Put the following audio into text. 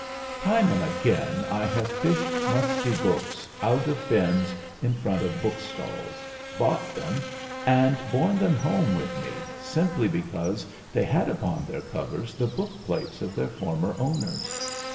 Time and again I have fished musty books out of bins in front of bookstalls, bought them and borne them home with me simply because they had upon their covers the bookplates of their former owners.